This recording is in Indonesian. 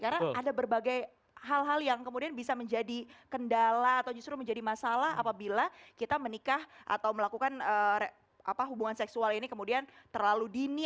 karena ada berbagai hal hal yang kemudian bisa menjadi kendala atau justru menjadi masalah apabila kita menikah atau melakukan hubungan seksual ini kemudian terlalu dini